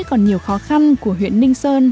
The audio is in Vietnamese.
còn nhiều khó khăn của huyện ninh sơn